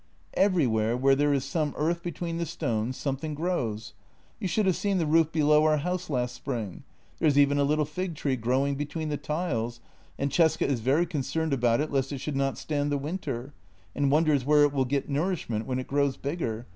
" Everywhere, where there is some earth between the stones, something grows. You should have seen the roof below our house last spring. There is even a little fig tree grow ing between the tiles, and Cesca is very concerned about it lest it should not stand the winter, and wonders where it will get nourishment when it grows bigger.